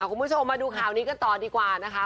คุณผู้ชมมาดูข่าวนี้กันต่อดีกว่านะคะ